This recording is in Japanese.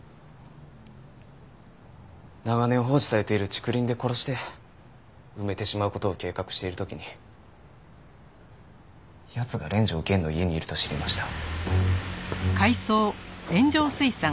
長年放置されている竹林で殺して埋めてしまう事を計画している時に奴が連城源の家にいると知りました。